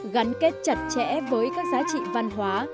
gắn kết chặt chẽ với các giá trị văn hóa